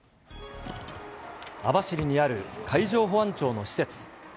網走にある海上保安庁の施設。